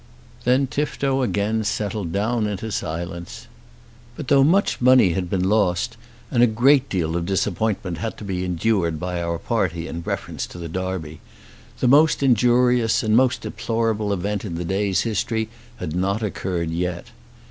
Then Tifto again settled down into silence. But though much money had been lost, and a great deal of disappointment had to be endured by our party in reference to the Derby, the most injurious and most deplorable event in the day's history had not occurred yet.